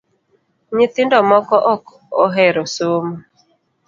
Nyithindo moko ok ohero somo